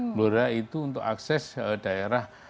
blora itu untuk akses daerah